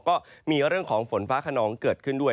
ก็มีเรื่องของฝนฟ้าขนองเกิดขึ้นด้วย